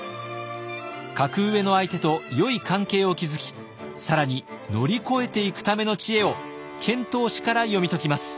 格上の相手とよい関係を築き更に乗り越えていくための知恵を遣唐使から読み解きます。